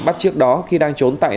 bắt trước đó khi đang trốn tại